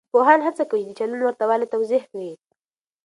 پوهان هڅه کوي چې د چلند ورته والی توضیح کړي.